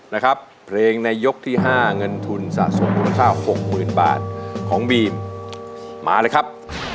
ทางเงินทุนสะสมรุนค่า๖๐๐๐๐บาทของบีมมาเลยครับ